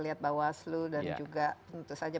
liatbawaslu dan juga tentu saja